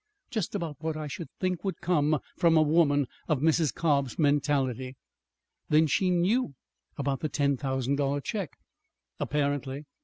Just about what I should think would come from a woman of Mrs. Cobb's mentality!" "Then she knew about the ten thousand dollar check?" "Apparently.